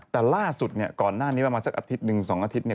แต่ล่าสุดก่อนหน้านี้ประมาณสักอาทิตย์หนึ่งสองอาทิตย์